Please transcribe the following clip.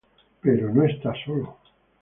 Pero no está solo.